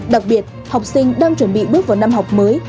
đặc biệt học sinh đang chuẩn bị bước vào năm học mới